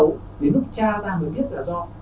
do mình dùng thuốc mà mình không biết là mình dùng